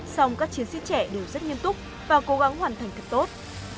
song các chiến sĩ trẻ đều rất nghiêm túc và cố gắng hoàn thành thật tốt